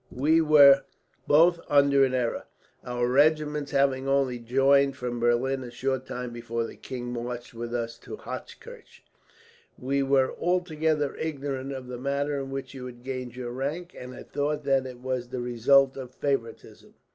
We were both under an error. Our regiments having only joined from Berlin a short time before the king marched with us to Hochkirch, we were altogether ignorant of the manner in which you had gained your rank, and had thought that it was the result of favouritism.